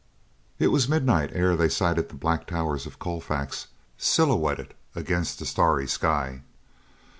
It was midnight ere they sighted the black towers of Colfax silhouetted against the starry sky.